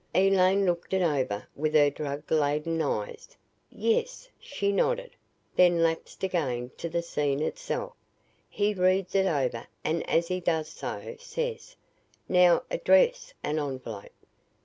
Elaine looked it over with her drug laden eyes. "Yes," she nodded, then lapsed again to the scene itself. "He reads it over and as he does so says, 'Now, address an envelope.'